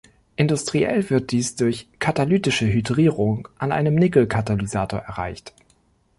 Industriell wird dies durch katalytische Hydrierung an einem Nickel-Katalysator erreicht.